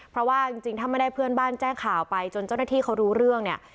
เพราะว่าจริงถ้าไม่ได้เพื่อนบ้านแจ้งข่าวไปจนเจ้าหน้าที่เขารู้เรื่องเนี่ย